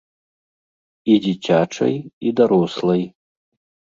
І дзіцячай, і дарослай.